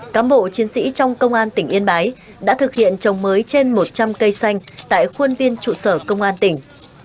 cám bộ chiến sĩ trong công an tỉnh yên bái đã thực hiện trồng mới trên một trăm linh cây xanh tại khuôn viên trụ sở công an tỉnh